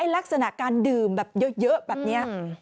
ลักษณะการดื่มแบบเยอะแบบนี้